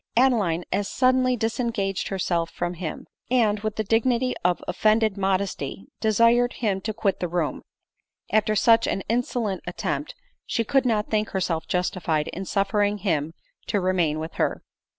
Adeline as suddenly disengaged herself from him, and, with the dignity of offended modesty, desired him to quit the room, as after such an insolent attempt, she could not think herself justified in suffering him to remain with her.